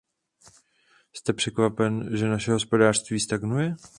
Jste překvapeni, že naše hospodářství stagnuje?